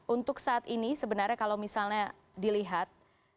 untuk saat ini sebenarnya kalau misalnya dilihat